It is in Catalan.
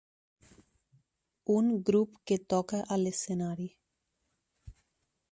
Un grup que toca a l'escenari